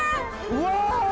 うわ！！